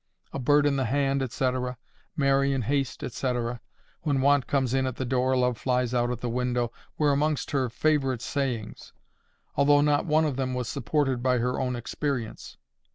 "A bird in the hand," &c.—"Marry in haste," &c.—"When want comes in at the door love flies out at the window," were amongst her favourite sayings; although not one of them was supported by her own experience.